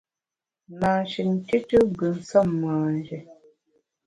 Mâ shin tùtù gbù nsem manjé.